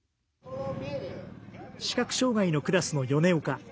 視覚障がいのクラスの米岡。